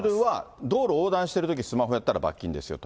道路横断してるときスマホやったら罰金ですよと。